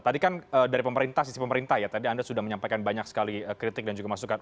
tadi kan dari pemerintah sisi pemerintah ya tadi anda sudah menyampaikan banyak sekali kritik dan juga masukan